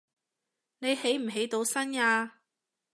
你起唔起到身呀